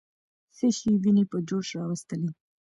څه شی ويني په جوش راوستلې؟